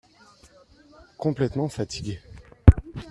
Complètement fatigué.